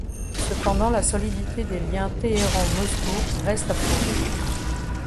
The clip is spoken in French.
Cependant, la solidité des liens Téhéran-Moscou reste à prouver.